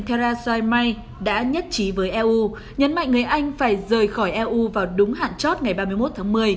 theresa may đã nhất trí với eu nhấn mạnh người anh phải rời khỏi eu vào đúng hạn chót ngày ba mươi một tháng một mươi